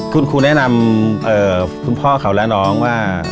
คุณครูแนะนำคุณพ่อเขาและน้องว่า